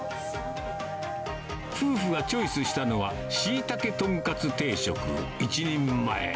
夫婦がチョイスしたのは、椎茸とんかつ定食１人前。